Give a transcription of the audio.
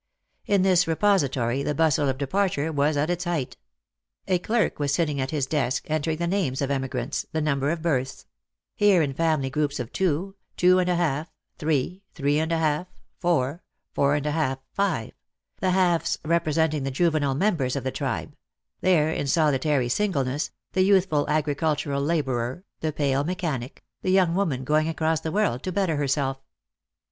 In this repository the bustle of departure was at its height. A clerk was sitting at his desk, entering the names of emigrants, the numbers of berths ; here in family groups of two, two and a half, three, three and a half, four, four and a half, five ; the halves representing juvenile members of the tribe; there, in solitary singleness, the youthful agricultural labourer, the pale mechanic, the young woman going across the world to better herself.